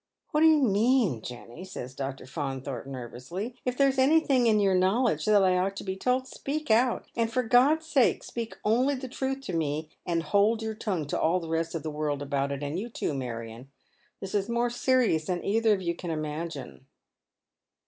" What do you mean, Jenny ?" says Dr. Faunthorpe, ner vously. " If there is anything in your knowledge that I ought to be told, speak out, and for God's sake speak only the truth to me, and hold your tongue to all the rest of the world about it,— S04 Dead MeiHi Shoa. and you too, Marion. This is more serious than either of you can iina^j^ine."